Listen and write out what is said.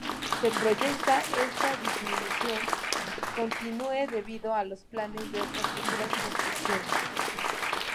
Se proyecta que esta disminución continúe debido a los planes de otras futuras construcciones.